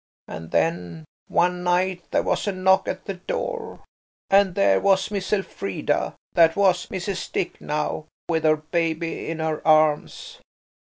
And then one night there was a knock at the door, and there was Miss Elfrida that was–Mrs. Dick now–with her baby in her arms.